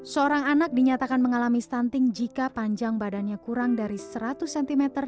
seorang anak dinyatakan mengalami stunting jika panjang badannya kurang dari seratus cm